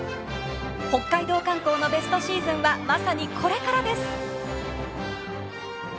北海道観光のベストシーズンはまさにこれからです。